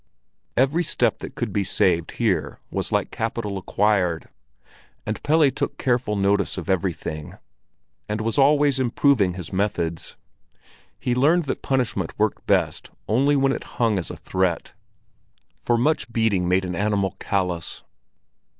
Every step that could be saved here was like capital acquired; and Pelle took careful notice of everything, and was always improving his methods. He learned that punishment worked best when it only hung as a threat; for much beating made an animal callous.